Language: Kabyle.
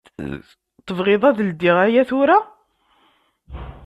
Tebɣiḍ ad ldiɣ aya tura?